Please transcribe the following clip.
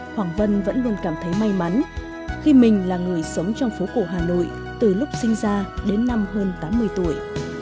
hoàng vân vẫn luôn cảm thấy may mắn khi mình là người sống trong phố cổ hà nội từ lúc sinh ra đến năm hơn tám mươi tuổi